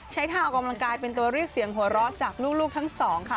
ทางออกกำลังกายเป็นตัวเรียกเสียงหัวเราะจากลูกทั้งสองค่ะ